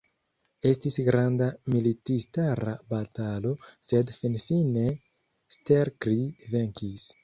Estis granda militistara batalo, sed finfine Stelkri venkis.